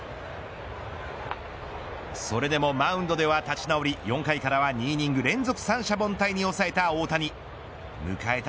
それでもマウンドでは立ち直り４回からは２イニング連続三者凡退に抑えた大谷迎えた